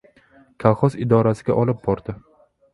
Kolxoz idorasiga olib bordi.